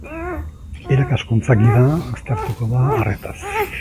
Irakaskuntza Gida aztertuko da arretaz.